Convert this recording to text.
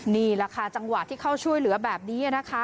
นี่แหละค่ะจังหวะที่เข้าช่วยเหลือแบบนี้นะคะ